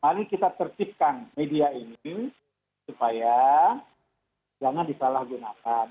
mari kita tertipkan media ini supaya jangan disalahgunakan